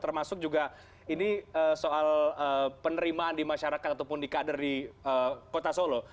termasuk juga ini soal penerimaan di masyarakat ataupun di kader di kota solo